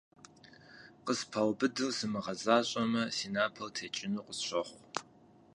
Къыспаубыдыр сымыгъэзащӀэмэ, си напэр текӀыну къысщохъу.